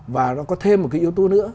và nó có thêm một cái yếu tố nữa